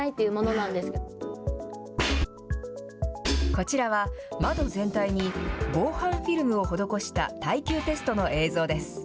こちらは、窓全体に防犯フィルムを施した耐久テストの映像です。